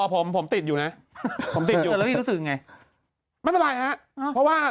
เพราะว่า